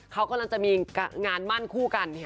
เขากำลังจะมีงานมั่นคู่กัน